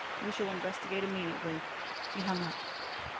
We shall investigate immediately." He hung up.